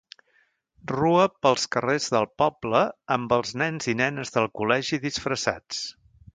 Rua pels carrers del poble amb els nens i nenes del col·legi disfressats.